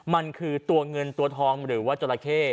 มันคือตัวเงินตัวทองหรือว่าจราเข้